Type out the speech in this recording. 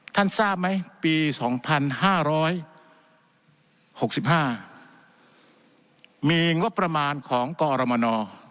ทราบไหมปี๒๕๖๕มีงบประมาณของกรมน